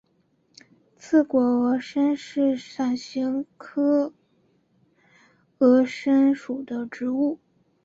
刺果峨参是伞形科峨参属的植物。